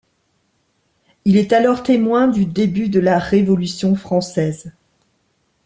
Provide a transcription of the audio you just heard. Il est alors témoin du début de la Révolution française.